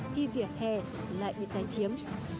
thì vỉa hè lại bị tái chiếm